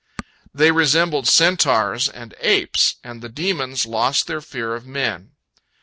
They resembled centaurs and apes, and the demons lost their fear of men.